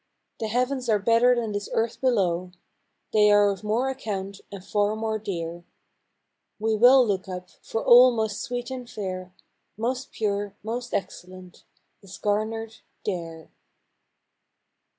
The heavens are better than this earth below, They are of more account and far more dear. We will look up, for all most sweet and fair, Most pure, most excellent, is garnered There."